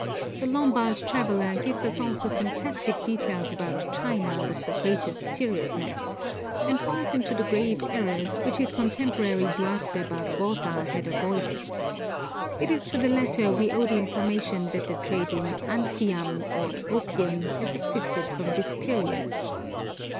The Lombard traveller gives us also fantastic details about China with the greatest seriousness, and falls into the grave errors, which his contemporary Duarte Barbosa had avoided. It is to the latter we owe the information that the trade in anfiam or opium has existed from this period.